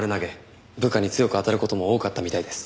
部下に強く当たる事も多かったみたいです。